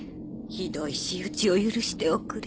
ひどい仕打ちを許しておくれ。